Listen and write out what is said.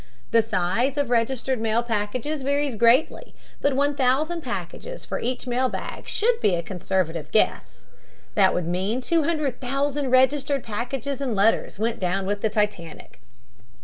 The size of registered mail packages varies greatly, but 1000 packages for each mail bag should be a conservative guess. That would mean that 200,000 registered packages and letters went down with the Titanic.